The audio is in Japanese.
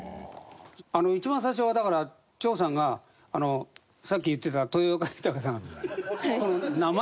一番最初はだから長さんがさっき言ってた豊岡豊さん。